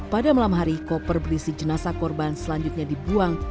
pada malam hari koper berisi jenazah korban selanjutnya dibuang